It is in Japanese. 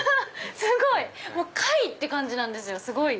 すごい！貝って感じなんですよすごい！